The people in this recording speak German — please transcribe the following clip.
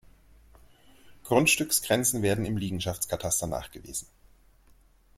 Grundstücksgrenzen werden im Liegenschaftskataster nachgewiesen.